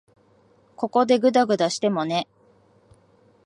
ここでぐだぐだしてもね。